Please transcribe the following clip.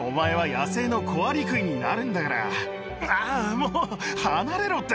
もう離れろって。